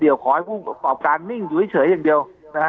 เดี๋ยวขอให้ผู้ประกอบการนิ่งอยู่เฉยอย่างเดียวนะฮะ